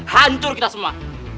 hancur kita semua